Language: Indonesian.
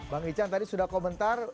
bang ican tadi sudah komentar